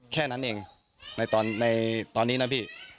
แค่นั้นเองในตอนนี้นะพี่